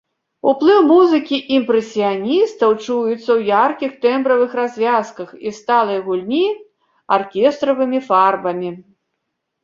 Уплыў музыкі імпрэсіяністаў чуецца ў яркіх тэмбравых развязках і сталай гульні аркестравымі фарбамі.